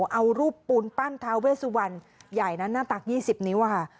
เอารูปปูนปั้นทาเวสวันใหญ่นั้นหน้าตัก๒๐นิ้วค่ะ